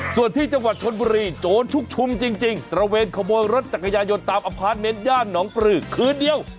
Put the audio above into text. ส่วนที่จังหวัดชนบุรีโจรชุกชุมจริงตระเวนขโมยรถจักรยายนตามอพาร์ทเมนต์ย่านหนองปลือคืนเดียว